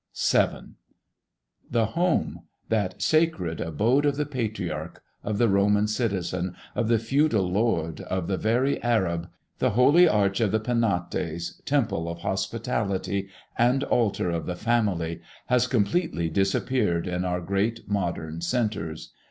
VII. The home that sacred abode of the patriarch, of the Roman citizen, of the feudal lord, of the very Arab; the holy arch of the Penates, temple of hospitality, and altar of the family has completely disappeared in our great modern centres.